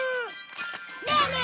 ねえねえ